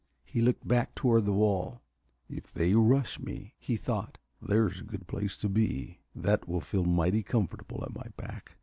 He looked back toward the wall. "If they rush me," he thought, "there's a good place to be. That will feel mighty comfortable at my back."